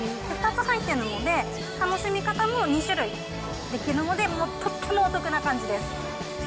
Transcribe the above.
２つ入ってるので、楽しみ方も２種類できるので、もう、とってもお得な感じです。